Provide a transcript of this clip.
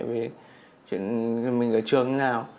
về chuyện mình ở trường như thế nào